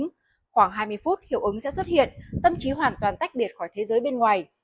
khoảng hai mươi phút hiệu ứng sẽ xuất hiện tâm trí hoàn toàn tách biệt khỏi thế giới bên ngoài